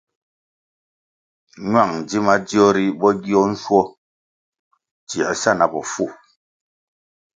Ñwang dzi madzio ri bo gio nshuo tsiē sa na bofu.